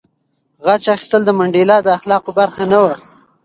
غچ اخیستل د منډېلا د اخلاقو برخه نه وه.